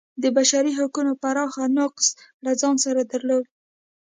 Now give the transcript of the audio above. د بشري حقونو پراخ نقض له ځان سره درلود.